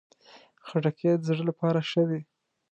خټکی د زړه لپاره ښه ده.